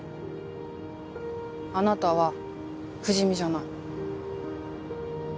あなたは不死身じゃない。